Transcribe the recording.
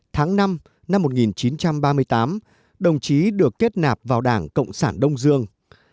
tháng năm năm một nghìn chín trăm ba mươi tám đồng chí được kết nạp vào đảng cộng sản đông dương